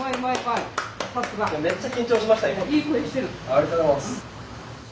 ありがとうございます。